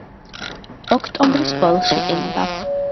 ოქტომბრის ბოლოს იყინება.